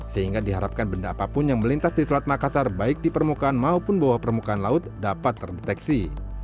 sehingga diharapkan benda apapun yang melintas di selat makassar baik di permukaan maupun bawah permukaan laut dapat terdeteksi